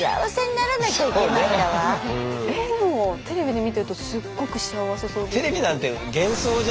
あたしたちえでもテレビで見てるとすっごく幸せそうです。